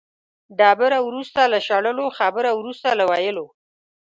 ډبره وروسته له شړلو، خبره وروسته له ویلو.